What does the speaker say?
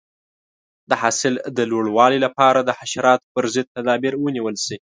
د حاصل د لوړوالي لپاره د حشراتو پر ضد تدابیر ونیول شي.